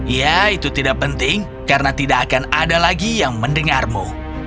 ya itu tidak penting karena tidak akan ada lagi yang mendengarmu